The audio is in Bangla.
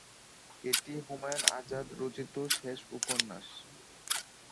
এটি হুমায়ুন আজাদ রচিত শেষ উপন্যাস।